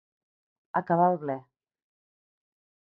Acabar el ble.